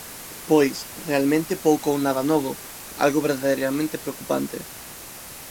Pois, realmente pouco ou nada novo, algo verdadeiramente preocupante.